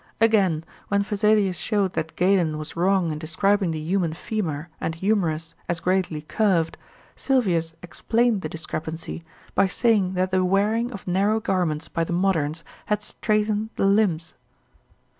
Again, when Vesalius showed that Galen was wrong in describing the human femur and humerus as greatly curved, Sylvius explained the discrepancy by saying that the wearing of narrow garments by the moderns had straightened the limbs.